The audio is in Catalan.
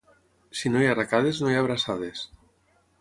Si no hi ha arracades, no hi ha abraçades.